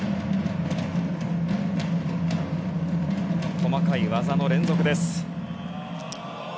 細かい技の連続です。